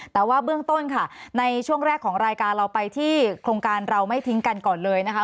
แต่ว่าเบื้องต้นค่ะในช่วงแรกของรายการเราไปที่โครงการเราไม่ทิ้งกันก่อนเลยนะคะ